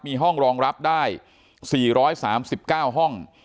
มีห้องรองรับได้สี่ร้อยสามสิบเก้าห้อง